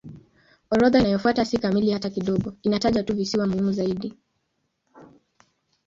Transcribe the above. Orodha inayofuata si kamili hata kidogo; inataja tu visiwa muhimu zaidi.